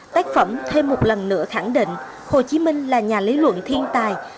tác phẩm thêm một lần nữa khẳng định hồ chí minh là nhà lý luận thiên tài